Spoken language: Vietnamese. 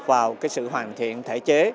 vào sự hoàn thiện thể chế